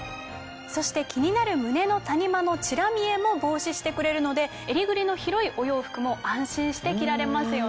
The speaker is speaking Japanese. そして気になる胸の谷間のチラ見えも防止してくれるので襟ぐりの広いお洋服も安心して着られますよね。